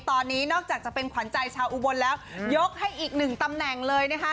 ตอนนี้นอกจากจะเป็นขวัญใจชาวอุบลแล้วยกให้อีกหนึ่งตำแหน่งเลยนะคะ